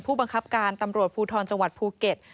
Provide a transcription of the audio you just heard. ผู้บังคับการตำรวจภูทรจังหวัดภูเก็ต